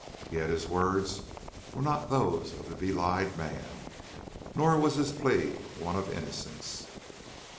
Yet his words were not those of a belied man, nor was his plea one of innocence.